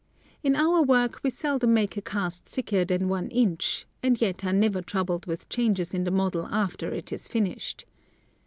In our work we seldom make a cast thicker than one inch, and yet are never troubled with changes in the model after it is finished.